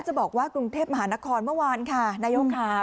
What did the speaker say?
จะบอกว่ากรุงเทพมหานครเมื่อวานค่ะนายกค่ะ